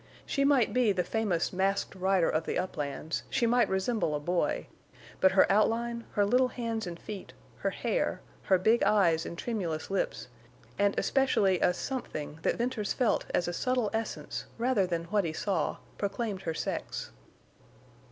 She might be the famous Masked Rider of the uplands, she might resemble a boy; but her outline, her little hands and feet, her hair, her big eyes and tremulous lips, and especially a something that Venters felt as a subtle essence rather than what he saw, proclaimed her sex.